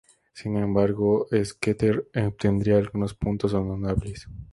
Sin embargo, Scheckter obtendría algunos puntos honorables.